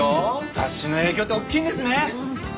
雑誌の影響って大きいんですね。